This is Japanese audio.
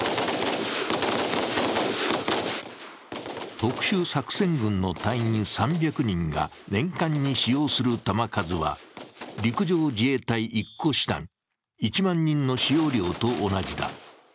特殊作戦群の隊員３００人が年間に使用する弾数は陸上自衛隊１個師団１万人の使用量と同じだ。